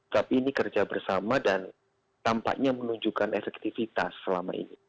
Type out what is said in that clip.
tapi ini kerja bersama dan tampaknya menunjukkan efektivitas selama ini